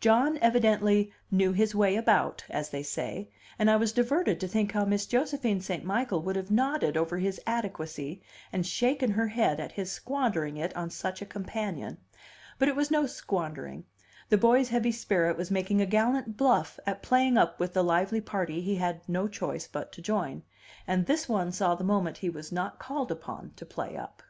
John evidently "knew his way about," as they say; and I was diverted to think how Miss Josephine St. Michael would have nodded over his adequacy and shaken her head at his squandering it on such a companion. But it was no squandering; the boy's heavy spirit was making a gallant "bluff" at playing up with the lively party he had no choice but to join, and this one saw the moment he was not called upon to play up.